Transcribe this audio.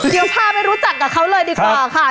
เดี๋ยวพาไปรู้จักกับเขาเลยดีกว่าค่ะ